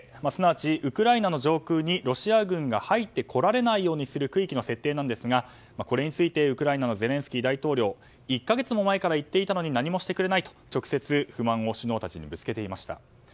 つまり、ウクライナ上空にロシア軍が入ってこられないようにする区域の設定ですがこれについてウクライナのゼレンスキー大統領１か月も前から言っていたのに何もしてくれないと直接不満を首脳たちにぶつけていました。